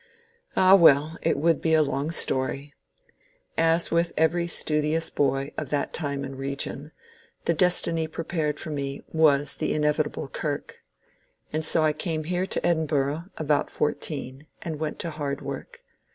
] Ah, well, it would be a long story. As with every " studi ous boy " of that time and region, the destiny prepared for me was the inevitable kirk. And so I came here to Edin burgh, about fourteen, and went to hard work.